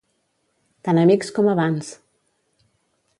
Tan amics com abans!